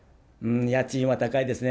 家賃は高いですね。